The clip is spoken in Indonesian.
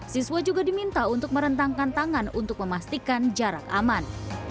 siswa juga diminta untuk merentangkan tangan untuk memastikan jarak aman